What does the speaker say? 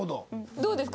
どうですか？